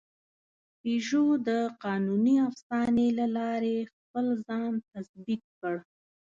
پيژو د قانوني افسانې له لارې خپل ځان تثبیت کړ.